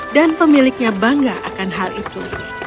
dan pemiliknya bangga akan hal itu